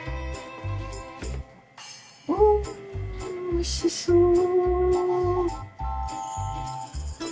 おおおいしそう。